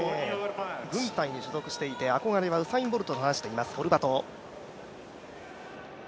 軍隊に所属していて憧れはウサイン・ボルトと話しています、ホルバト。